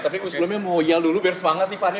tapi sebelumnya mau yel dulu biar semangat nih fani